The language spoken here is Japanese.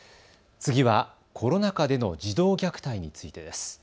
次はコロナ禍での児童虐待についてです。